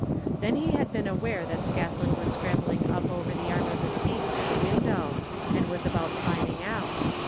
Then he had been aware that Scathlin was scrambling up over the arm of the seat to the window, and was about climbing out.